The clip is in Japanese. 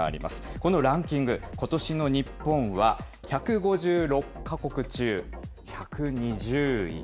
このランキング、ことしの日本は、１５６か国中１２０位。